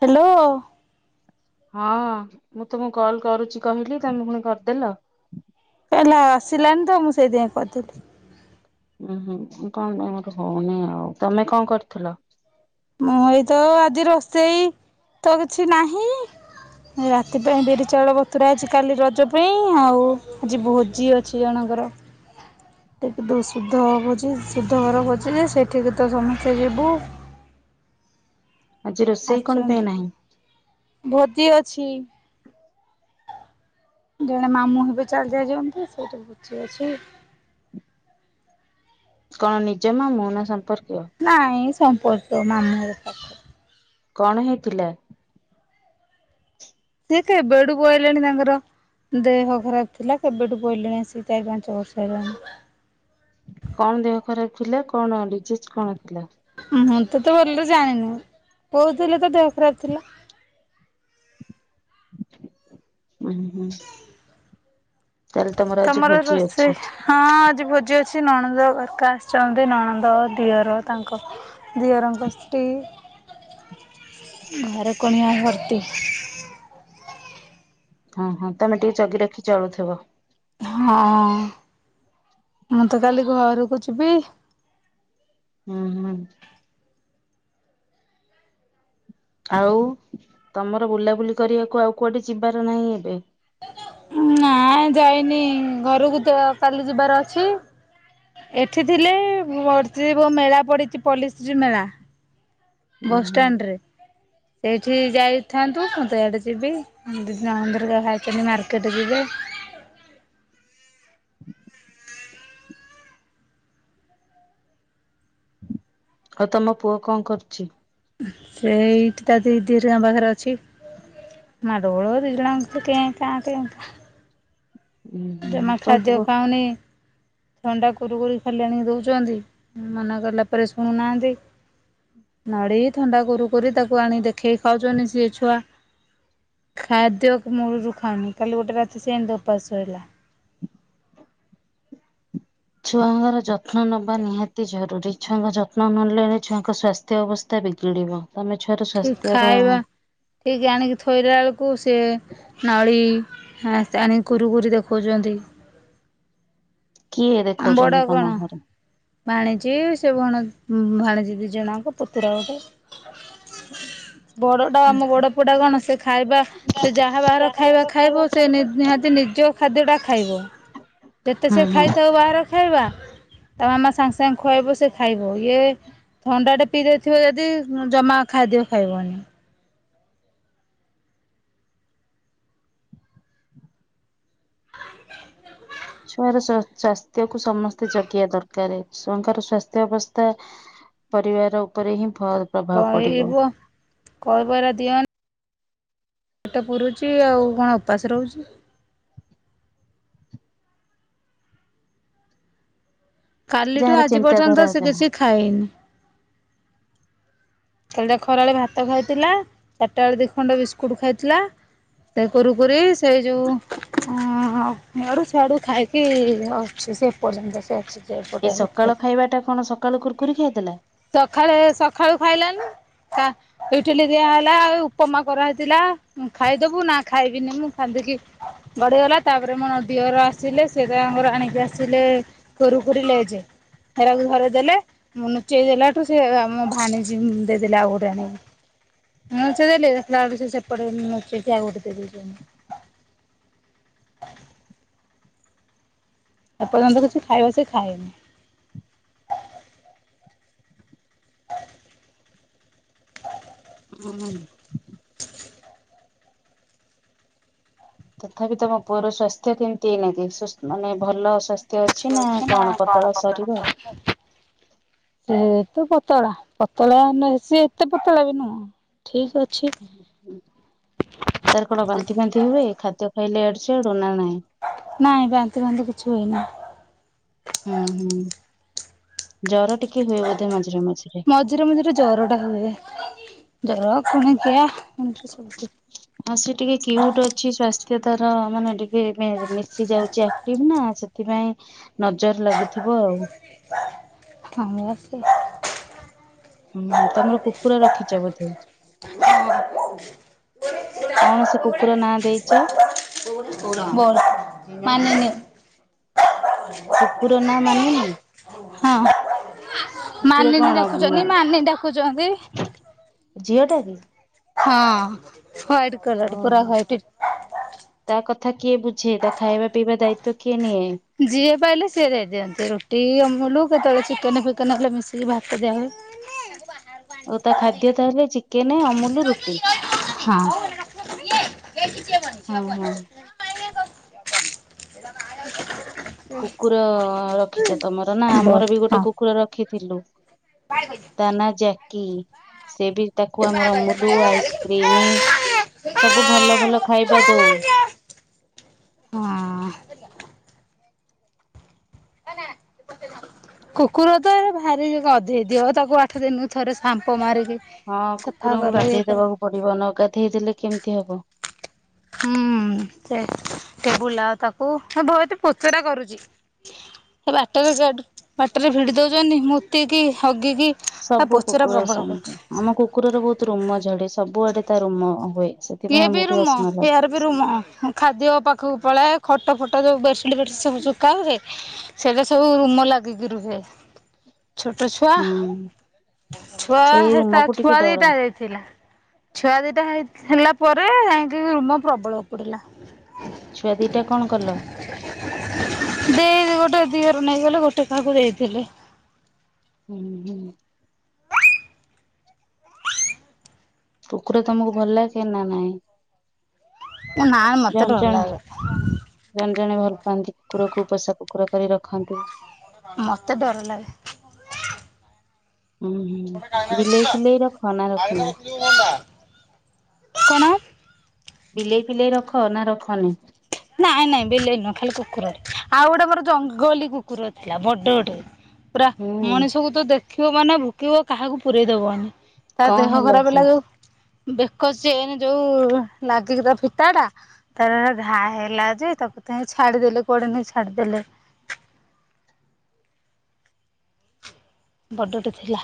Hello ହଁ ମୁଁ ତମକୁ କଲ କରୁଛି କହିଲି ତମେ ପୁଣି କରିଦେଲ କାଇଁ ଆସିଲାନି ତ ମୁଁ ସେଇଥିପାଇଁ କରିଦେଲି ଉୁ ହୁଁ କଣ ପାଇଁ ମୋର ହଉନି ଆଉ ତମେ କଣ କରିଥିଲ ମୁଁଏଇତ ଆଜି ରୋଷେଇ ତ କିଛି ନାହିଁ ରାତି ପାଇଁ ବିରି ଚାଉଳ ବତୁରା ଅଛି କାଲି ରଜ ପାଇଁ ଆଉ ଆଜି ଭୋଜି ଅଛି ଜଣଙ୍କର [unintelligible] ଟିକେ ଶୁଧ ଶୁଧ ଘର କରିଛନ୍ତି ସେଠିକି ତ ସମସ୍ତେ ଯିବୁ ଆଜି ରୋଷେଇ କଣ ପାଇଁ ଆସିଛନ୍ତି। ନାହିଁ ଭୋଜି ଅଛି ଜଣେ ମାମୁଁ ହେବେ ଚାଲି ଯା ଅଛନ୍ତି ସେଇଠି ବୁଝି ଅଛି କଣ ନିଜ ମାମୁ ନା ସମ୍ପର୍କୀୟ ନାଇଁ ସମ୍ପର୍କୀୟ ମାମୁ ହେବେ କଣ ହେଇଥିଲା ସେ କେବେଠୁ ପଇଲେଣି ତାଙ୍କର ଦେହ ଖରାପ ଥିଲା କେବେଠୁ ପଇଲେଣି ସେ ଚାରି ପାଞ୍ଚ ବର୍ଷ ହେଲାଣି କଣ ଦେହ ଖରାପ ଥିଲା କଣ ଡିଜିଜ କଣ ହେଲା ମୁଁ ତ ଏତେ ଭଲରେ ଜାଣିନୁ କହୁଥିଲେ ତ ଦେହ ଖରାପ ଥିଲା ହଁ ହୁଁ [unintelligible] ତାହେଲେ ଆଜି ତମର ଭୋଜି ଅଛି ରୋଷେଇ ହଁ ଆଜି ଭୋଜି ଅଛି କିଛି ନଣନ୍ଦ ଦରକା ଆସିଛନ୍ତି ନଣନ୍ଦ ଦିଅର ତାଙ୍କ ଦିଅରଙ୍କ ସ୍ତ୍ରୀ ଘରେ କୁଣିଆ ଭର୍ତ୍ତି ହଁ ହଁ ତମେ ଟିକେ ଜଗି ରଖି ଚଳୁଥିବ ହଁ ମୁଁ ତ କାଲି ଘରକୁ ଯିବି ହୁଁ ହୁଁ ଆଉ ତମର ବୁଲାବୁଲି କରିବାକୁ ଆଉ କୁଆଡେ ଯିବାର ନାହିଁ ଏବେ ନା ଯାଇନି ଘରକୁ ତ କାଲି ଯିବାର ଅଛି ଏଠି ଥିଲେ ମେଳା ପଡିଛି ପଲ୍ଲଶ୍ରୀ ମେଳା ଉୁଁ ବସ୍ ହୁଁ ଷ୍ଟାଣ୍ଡରେ ଏଇଠି ଯାଇଥାନ୍ତୁ ମୁଁ ତ ଆଡେ ଯିବି [unintelligible] ମାର୍କେଟ ଯିବେ ଆଉ ତମ ପୁଅ କଣ କରୁଛି? ସେଇଠି ତା ଦିଦି ଗାଁ ପାଖରେ ଅଛି। ମାଡଗଳ ଦି ଜଣ ଯାକ କେଁ କା କେଁ ଉୁଁ ହୁଁ ଜମା ତମ ଖାଦ୍ୟ ପୁଅ ଖାଉନି ଥଣ୍ଡା କୁରୁକୁରି ଖାଲି ଆଣିକି ଦଉଛନ୍ତି ମନା କଲା ପରେ ଶୁଣୁନାହାନ୍ତି ନଡ଼ି ଥଣ୍ଡା କୁରୁକୁରି ତାକୁ ଆଣି ଦେଖେଇ ଖାଉଛନ୍ତି ସିଏ ଛୁଆ ଖାଦ୍ୟ ମୂଳରୁ ଖାଉନି କାଲି ଗୋଟେ ରାତି ସେ ଏମିତି ଉପାସ ହେଲା ଛୁଆଙ୍କର ଯତ୍ନ ନବା ନିହାତି ଜରୁରୀ ଛୁଆଙ୍କ ଯତ୍ନ ନନେଲେ ଛୁଆଙ୍କ ସ୍ଵାସ୍ଥ୍ୟ ଅବସ୍ଥା ବିଗିଡିବ ଠିକ ଖାଇବା ଠିକ ଆଣିକି ଥୋଇଲା ବେଳକୁ ସେ ନଳି ହ ଆଣିକି କୁରୁକୁୁରି ଦେଖଉଛନ୍ତି। କିଏ ଦେଖଉଛନ୍ତି ତମ ଘରେ ଭାଣିଜ ସେ ଭଣ ଭାଣିଜ ଦି ଜଣଙ୍କ ପୁତୁରା ଗୋଟେ ଆ ବଡ଼ଟା ଆମ ବଡ଼ ପୁଟା କଣ ସେ ଖାଇବା ସେ ଯାହା ବାହାର ଖାଇବା ଖାଇବ ସେ ନିହାତି ନିଜ ଖାଦ୍ୟଟା ଖାଇବ ଯେତେ ସେ ହୁଁ ଖାଇଥାଉ ବାହାରାରେ ଖାଇବା ତମ ମା ସାଙ୍ଗେ ସାଙ୍ଗେ ଖୁଆଇବ ସେ ଖାଇବ ହ ଥଣ୍ଡାଟ ପି ଥିବ ଯଦି ଜମା ଖାଇଦିଅ ଖାଇବନି [unintelligible] ଛୁଆର ସ୍ଵାସ୍ଥ୍ୟ କୁ ସମସ୍ତେ ଜଗେଇିବା ଦରକାର ଛୁଆଙ୍କର ସ୍ଵାସ୍ଥ୍ୟ ଅବସ୍ଥା ପରିବାର ଉପରେ ହିଁ। ପ୍ରଭାବ ପଡିବ କହିବୁ କହିବ ଏରାଗ ଦିଅନି ପେଟ ପୁରୁଛି ଆଉ କଣ ଉପାସ ରହୁଛି। କାଲିଠୁ ଯାହାର ଆଜି ପର୍ଯ୍ୟନ୍ତ ଚିନ୍ତାଧାରା ସେ ଯାହା କିଛି ଖାଇନି କାଲିଟା ଖରା ବେଳେ ଭାତ ଖାଇଥିଲା ଚାରିଟା ବେଳେ ଦି ଖଣ୍ଡ ବିସ୍କୁଟ ଖାଇଥିଲା ସେ କୁରୁକରି ସେ ଯେଉଁ ଏଆଡୁ ସିଆଡୁ ଖାଇକି ଅଛି ସେ ଏପର୍ଯ୍ୟନ୍ତ ସେ ଅଛି ଯେ ଏଇ ଏପଟେ ସକାଳୁ ଖାଇକି ଖାଇବା ଟା କଣ ସକାଳୁ କୁରକୁରି ଖାଇଦେଲା ସକାଳେ ସକାଳୁ ଖାଇଲାନି ଇତିଲି ଦିଆହଲା ଉପମା କରାହେଇଥିଲା ଖାଇଦବୁ ନା ଖାଇବିନି ମୁଁ ଖାନ୍ଦିକି ବଢିଗଲା ତାପରେ ମୋ ଡିଅର ଆସିଲେ ସେ ତାଙ୍କର ଆଣିକି ଆସିଲେ କୁର୍କୁରି ଲେଜେ ଏରାକୁ ଧରେ ଦେଲେ ମୁ ଚିରି ଦେଲାଠୁ ସେ ଆମ ଭାନୀଜି ଦେଇଦେଲେ ଆଉ ଗୋଟେ ଆଣିକି ମୁଁ ଲୁଚେଇ ଦେଲି ସେ ସେପଟେ ଆଉ ଗୋଟେ ଦେଇଦେଇଛନ୍ତି ଆଣିକି ଏପର୍ଯ୍ୟନ୍ତ କିଛି ଖାଇବା ସେ ଖାଏନି ହଁ। ତଥାପି ତମ ପୁଅର ସ୍ଵାସ୍ଥ୍ୟ କେମିତି ଏଇନାନ୍ତି ମାନେ ଭଲ ସାସ୍ଥ୍ୟ [unintelligible] ପତଳା ଶରୀର ସେ ତ ପତଳା ପତଳା ନ ସ ଏତେ ପତଳା ବି ନୁହଁ ଠିକ ଅଛି। ତାର କଣ ବାନ୍ତି ବାନ୍ତି ହୁଏ ଖାଦ୍ୟ ଖାଇଲେ ଆଡେ। ସେଡନା ନଁ ନାଇଁ ବାନ୍ତିରେ ବାନ୍ତ କିଛି ହନି। ହୁଁ ହୁଁ ଜର ଟିକେ ହୁଏ ବୋଧେ ମଝିରେ ମଝିରେ ମଝିରେ ଜର ଟା ହୁଏ ଜର ଶୁଣଛି। ହଁ ସେ ଟିକେ କିୟୁଟ ଅଛି ସ୍ୱାସ୍ଥ୍ୟ [unintelligible] ତାର ମାନେ ଟିକେ ଆସି ଯାଉଛି ଆକ୍ଟିଭ ନା ସେଥିପାଇଁ ନଜର ଲାଗୁ [inaudible] ହୁଁ ହଁ ତମର କୁକୁର ରଖିଛ ବୋଧେ କଣ ସେ କୁକୁର ନାଁ ଦେଇଛ? [inaudible] କୁକୁର ନା ମାନିନୀ । ହଁ ମାନିନୀ କଣ ଡାକୁଛନ୍ତି ମାନି ଡାକୁଛନ୍ତି । ଝିଅଟା କି? ହଁ। ହ୍ୱାଇଟ କଲର୍ ପୁରା ଓହୋ ହ୍ଵାଇଟ। ତା କଥା କିଏ ବୁଝେ ତା ଖାଇବା ପିଇବା ଦାୟିତ୍ଵ କିଏ ନିଏ? ଯିଏ ପାଇଲେ ସିଏ ଦେଇଦିଅନ୍ତି ରୁଟି ଅମୁଲୁ କେତେବେଳେ ଚିକେନ ଫିକେନ ହେଲେ ମିଶିକି ଭାତ ଦିଆ ହୁଏ। ଆଉ ତା ଖାଦ୍ୟ ତାହେଲେ ଚିକେନ, ଅମୁଲ, ରୁଟି। ହଁ ହଁ ହଁ [inaudible] [inaudible] କୁକୁର ରଖିଛ ତମର ନା ବଲ ଆମର ବି ଗୋଟେ ହଁ କୁକୁର ରଖି ଥିଲୁ। ତା ନା ଜା କି ସେ ବି ତାକୁ ଆମର ଅମୁଲ ଆଇସ୍କ୍ରିମ୍ ସବୁ ଭଲ ଭଲ ଖାଇବା ଦଉ। ହଁ। କୁକୁର ତ ଭାରି ଗାଧେଇ ଦିଅ ତାକୁ ଆଠ ଦିନକୁ ଥରେ ସାମ୍ପ ମାରି ହଁ କୁକୁରଙ୍କୁ ଗାଧେଇ ଦବାକୁ ପଡିବ ନ ଗାଧେଇ ଦେଲେ କେମ ତିି ହବ। ହୁଁ ସେ ଟେବୁଲ ଆଉ ତାକୁ ଧୋଇତି ପୋଚରା କରୁଛି ସେ ବାଟରେ ବାଟରେ ଭିଡି ଦଉଛନ୍ତି ମୁତିକି ହଗିକି ଆ ସବୁ ପୋଚରା କୁକୁର ପ୍ରବଳ ସେମିତି କରୁଛି ଆମ କୁକୁରର ବହୁତ ରୁମ ଝଡେ ସବୁଆଡେ ତା ରୁମ ହୁଏ ସେଥିପାଇଁ ଆମକୁ ଟିକେ ଅସନା ଲାଗେ ଇଆର ବି ରୁମ ଖାଦ୍ୟ ପା କୁ ପଳାଏ ଖଟ ଫଟ ଯୋଉ ବେଶ [inaudible] ସୁଖା ହୁଏ ସେଇଟା ସବୁ ରୁମ ଲାଗିକି ରୁହେ। ଛୋଟ ଛୁଆ ହୁଁ ଛୁଆ ସେଇ ହେରିକା ରୋମକୁ ଟିକେ ଛୁଆ ଡର। ଦିଟା ହେଇଥିଲା ଛୁଆ ଦିଟା ହେଇ ହେଲା ପରେ ରୁମ ପ୍ରବଳ ଉପୁଡିଲା ଛୁଆ ଦିଟା କଣ କଲ? ସେ ଗୋଟେ ଦିଅର ନେଇଗଲେ ଗୋଟେ କାହାକୁ ଦେଇଥିଲେ। ହୁଁ ହୁଁ କୁକୁର ତମକୁ ଭଲ କେ ନା ନାଇଁ? ନା ମତେ ଜଣେ ଡର ଜଣେ ଲାଗେ। ଜଣେ ଜଣେ ଭଲ ପାଆନ୍ତି କୁକୁରକୁ ପୋଷା କୁକୁର କରି ରଖନ୍ତି। ମତେ ଡର ଲାଗେ। ହୁଁ ହୁଁ ବିଲେଇ ଫିଲେଇ ରଖ ନା ରଖିନା? କଣ ବିଲେଇ ଫିଲେଇ ରଖ ନା ରଖନି? ନାଇଁ ନାଇଁ ବେଲେଇ ନୁହଁ ଖାଲି କୁକୁରରେ ଆଉ ଗୋଟେ ମୋର ଜଙ୍ଗଲୀ କୁକୁର ଥିଲା ବଡ ଗଟେ ପୁରା ହୁଁ ମଣିଷକୁ ତ ଦେ ଖିବ ମାନେ ଭୋକିବ କାହାକୁ ପୁରେଇଦବନି। ତା କଣ ଦେହ ଖରାପ ସେ? ହେଲା ଯୋଉ ବେକ ଚେନ ଯୋଉ ଲାଗିକି ତା ଫିତା ଟା ତାର ହେ ଘା ଘା ହେଲା ଯେ ତାକୁ ତ ଛାଡିଦେଲେ କୋଡେ ନେଇ ଛାଡିଦେଲେ। ବଡ଼ଟେ ଥିଲା।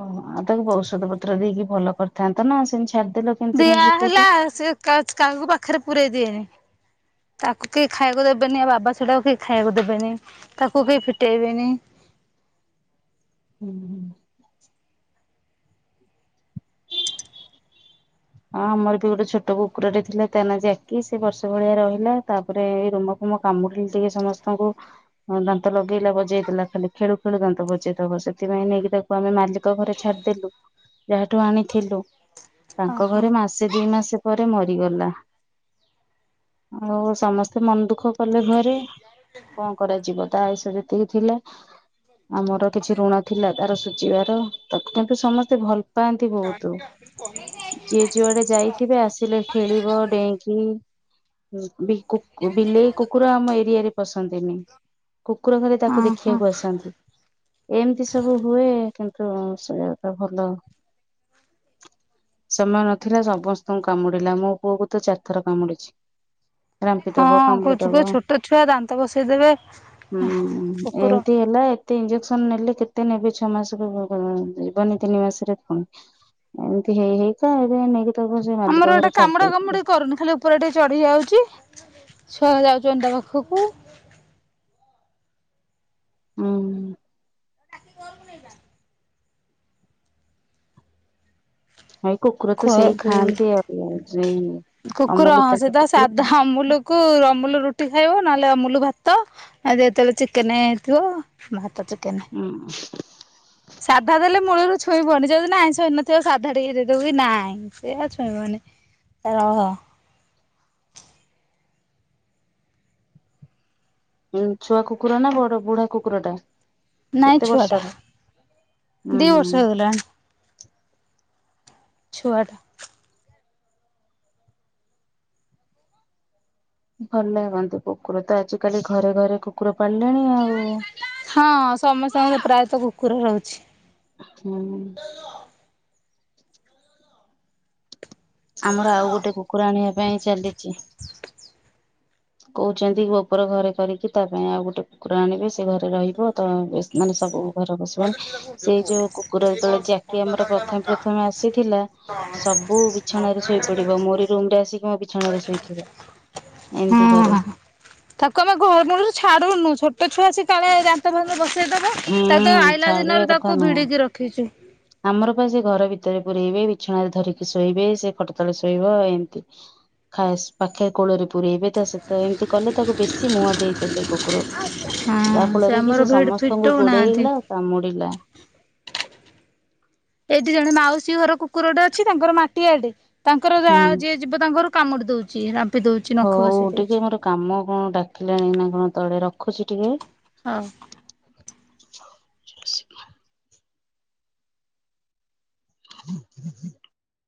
ଓହ ଆଉ ତାକୁ ଔଷଧ ପତ୍ର ଦେଇକି ଭଲ କରିଥାନ୍ତା ନା ସେମି ଛା ଦିଆ ହେଲା ସେ କାହାକୁ ପାଖ ପାଖରେ ପରେଇ ଦିଏନି ତାକୁ କେହି ଖାଇବାକୁ ଦେବେନି ୟା ବାବା ସେଟାକୁ କେହି ଖାଇବାକୁ ଦେବେନି ତାକୁ କେହି ଫିଟେଇବେନି ହୁଁ ହୁଁ ହଁ ଆମର ବି ଗୋଟେ ଛୋଟ କୁକୁରରେ ଥିଲା ତା ନା ଜାକି ସେ ବର୍ଷ ଭଳିଆ ରହିଲା ତାପରେ ଏଇ ରୁମ ଫୁମ କାମୁଡିଲେ ଟିକେ ସମସ୍ତଙ୍କୁ ଦାନ୍ତ ଲଗେଇଲା ବଜେଇ ଦେଲା ଖାଲି ଖେଳୁ ଖେଳୁ ଦାନ୍ତ ବଜେଇଥବ ସେଥିପାଇଁ ନେଇକି ତାକୁ ଆମେ ମାଲିକ ଘରେ ଛାଡିଦେଲୁ ଯାହାଠୁ ଆଣିଥିଲୁ। ତାଙ୍କ ଓହୋ। ଘରେ ମାସେ ଦି ମାସେ ପରେ ମରିଗଲା ଆଉ ସମସ୍ତେ ମନ ଦୁଃଖ କଲେ ଘରେ କଣ କରାଯିବ ତା ଆୟୁଷ ଯେତିକି ଥିଲେ। ଆମର କିଛି ଋଣ ଥିଲା। ତାର ସୁୁଝିବାର ତ କିନ୍ତୁ ସମସ୍ତେ ଭଲ ପାଆନ୍ତି ବହୁତ [inaudible] ଯିଏ ଯୁଆଡେ ଯାଇଥିବେ ଆସିଲେ ଖେଳିବ ଡେଇଁଙ୍କି ବିଲେଇ କୁକୁର ଆମ ଏରିଆରେ ପସନ୍ତିନି କୁକୁର ଘରେ ତାକୁ ଓହୋ ଦେଖିବାକୁ ଆସନ୍ତି ଏମିତି ସବୁ ହୁଏ। କିନ୍ତୁ ସେ ଜାଗା ଭଲ ସମୟ ନଥିଲା ସମସ୍ତଙ୍କୁ କାମୁଡିଲା ମୋ ପୁଅ କୁ ତ ଚାରି ଥର କାମୁଡିଛି। ରାମ୍ପି ଦବ ହଁ କାମୁଡି କହୁଛୁ କ ଦବ ଛୋଟ ଛୁଆ ଦାନ୍ତ ବସେଇ ଦେବେ ହୁଁ କୁକୁର ଏମିତି ହେଲା ଏତେ ଇଞ୍ଜେକ୍ସନ ନେଲେ କେତେ ନେବେ ଛଅ ମାସ ଯିବନି ତିନି ମାସରେ ପୁଣି ଏମତି ହେଇ ହେଇ [unintelligible] ଆମର ଏଇଟା କାମୁଡା କାମୁଡି କରୁନି ଖାଲି ଉପରେ ଟିକେ ଚଢି ଯାଉଛି ଛୁଆ ଯାଉଛନ୍ତି ତା ପାଖକୁ ହୁଁ ପୁଅ କୁ ନେଇଯା ଭାଇ କୁକୁର ତ ସେଇ ଖୁଆକୁ ଖାଆନ୍ତି ଆଉ ସେଇ କୁକୁର ଅମୁଲ ହଁ ପ୍ରାୟ ସେଧ କୁକୁର ସାଧା ଅମୁଲକୁ ଅମୁଲ ରୁଟି ୁଟି ଖାଇବ ନହେଲେ ଅମୁଲ ଭାତଲେ ଯେତେବେଳେ ଚିକେନ ହେଇଥିବ ଭାତ ଚେ ସାଧା ଦେଲେ ମୂଳରୁ ଛୁଇବନି ଯଦି ନହିଁ ଶୋଇଇ ନଥିବ ସାଧା ିରେଦବ କି ନାଇଁ ସେଆ ଛୁଇବନି ଓହୋ ଛୁଆ କୁକୁର ନା ବଡ ବୁଢା କୁକୁର ଟା ନାଇଁ କେତେ ଛୁଆ ଟା ବର୍ଷର? ଉୁଁ ଦି ହୁଁ ବର୍ଷ ହେଇଗଲାଣି ଛୁଆଟ ଭଲ ଲାଗନ୍ତି କୁକୁର ତ ଆଜିିକାଲି ଘରେ ଘରେ କୁକୁର ପାଳିଲେଣି ଆଉ। ହଁ ସମସ୍ତଙ୍କ ପ୍ରାୟ ତ କୁକୁର ରହୁଛି ହୁଁ [unintelligible] ଆମର ଆଉ ଗୋଟେ କୁକୁର ଆଣିବା ପାଇଁ ଚାଲିଛି କହୁଛନ୍ତି ଗୋପର ଘରେ କରିକି ତା ପାଇଁ ଆଉ ଗୋଟେ କୁକୁର ଆଣିବେ ସେ ଘରେ ରହିବ ତ ବୀ ମାନେ ସବୁ ଘର ବସିବ ମାନେ ସେଇ ଯୋଉ କୁକୁର ଯେତେବେଳେ ଯାକି ଆମର ପ୍ରଥମେ ପ୍ରଥମେ ଆସିଥିଲା ସବୁ ବିଛଣାରେ ଶୋଇ ପଡିବ ମୋରି ରୁମ ରେ ଆସିକି ମୋ ଛଣରେ ଶୋଇଥିବ ଏମିତି କରେ ହୁଁ ତାକୁ ଆମେ ଘରୁ ନ ଛାଡୁନୁ ଛୋଟ ପଛୁଆ ଆସି କଳେ ଯାତା ଭ ବ ସେ ତ ହୁଁ ତା ତ ଆଇଲା ଛାଡିବା ଦିନରୁ କଥା ତାକୁ ନୁହଁ ଭିଡିକି ରଖିଛୁ ଆମର ସେ ଘର ଭିତରେ ପୁରରେଇବେ ବିଛଣାରେ ଧରିକି ଶୋଇବେ ସେ ଖଟ ତଳେ ଶୋଇବ ଏମିତି ଖା ପାଖେ କୋଳରେ ପୂରେଇବେ ତା ସହିତ ଏମିତି କଲେ ତାକୁ ବେଶୀ ମୁହଁ ଦେଇଦେଲେ କୁକୁରକୁ ହଁ ସେ ଆମର ଭିଡ ଫିଟ୍ ସୁ ଗୋଡେଇଲା କାମୁଡ଼ିଲା ଏଇଠି ଜଣେ ମାଉସୀ ଘର କୁକୁରଟେ ଅଛି ତାଙ୍କର ମାଟିଆଡେ ତାଙ୍କର ଯାହା ହୁଁ ଯିଏ ଯିବ ତାଙ୍କର କାମୁଡିିବ ଦଉଛି ଦଉଛି ନଖ ହଉ ବସେଇ ଟିକେ ଦଉଛି। ମୋର କାମ କଣ ଡାକିଲାଣି ନା କଣ ତଳେ ରଖୁଚି ଟିକେ। ହଉ। [inaudible] [unintelligible]